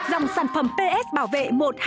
dòng sản phẩm ps bảo vệ một trăm hai mươi ba